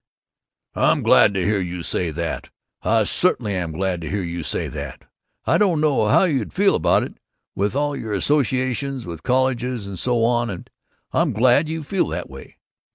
"I'm glad to hear you say that! I certainly am glad to hear you say that! I didn't know how you'd feel about it, with all your associations with colleges and so on, and I'm glad you feel that way.